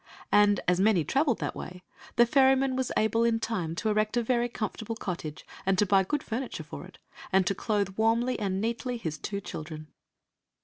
And, as many traveled that way, the ferryman was able in time to erect a very comfortable cottage, and to buy good furniture for it, and to clothe yrarmly and neatly his two children.